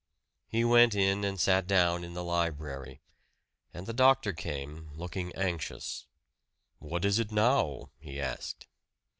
He went in and sat down in the library, and the doctor came, looking anxious. "What is it now?" he asked.